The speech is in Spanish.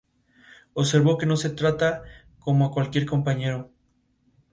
observó que no se le trataba como a cualquier compañero